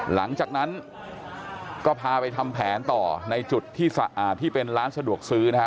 หลังจากนั้นก็พาไปทำแผนต่อในจุดที่เป็นร้านสะดวกซื้อนะฮะ